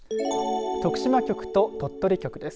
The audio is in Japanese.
徳島局と鳥取局です。